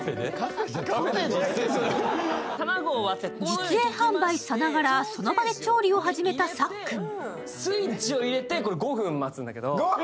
実演販売さながらその場で調理を始めたさっくん。